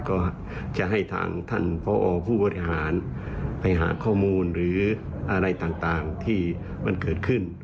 ก็จะให้ทางท่านพอผู้บริหารไปหาข้อมูลหรืออะไรต่างที่มันเกิดขึ้น